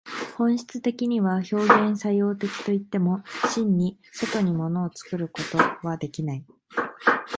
本質的には表現作用的といっても、真に外に物を作るということはできない。